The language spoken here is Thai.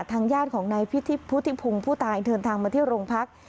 ทางญาติของนายพุทธิพงศ์ผู้ตายเดินทางมาที่โรงพัก